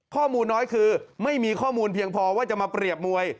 ข้อมูลน้อยคือไม่มีข้อมูลเพียงพอว่าจะมาเปรียบมวย